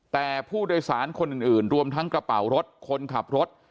แต่ผู้โดยสารคนอื่นรวมทั้งกระเป๋ารถคนขับรถ